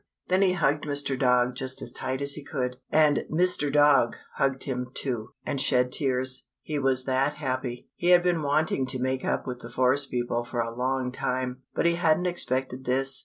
Then he hugged Mr. Dog just as tight as he could, and Mr. Dog hugged him, too, and shed tears, he was that happy. He had been wanting to make up with the forest people for a long time, but he hadn't expected this.